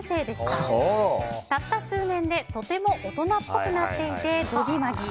たった数年でとても大人っぽくなっていてドギマギ。